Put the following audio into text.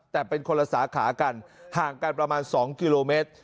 แต่เป็นคนละสาขากันห่างกันประมาณ๒กิโลเมตร